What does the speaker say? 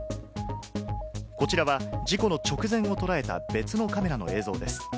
こちらは事故の直前をとらえた別のカメラの映像です。